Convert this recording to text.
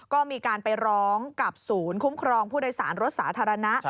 ก็มีการไปร้องกับศูนย์คุ้มครองผู้โดยสารรถสาธารณะ